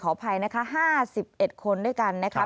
อภัยนะคะ๕๑คนด้วยกันนะครับ